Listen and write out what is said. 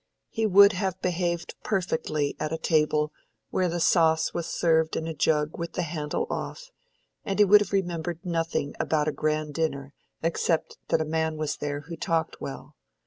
He would have behaved perfectly at a table where the sauce was served in a jug with the handle off, and he would have remembered nothing about a grand dinner except that a man was there who talked well.